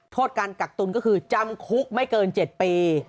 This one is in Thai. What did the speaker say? โทษการกักตุลก็คือจำคุกไม่เกิน๗ปี